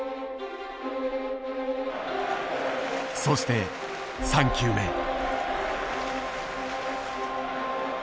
そして３球目。